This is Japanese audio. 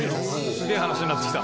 すげぇ話になってきた。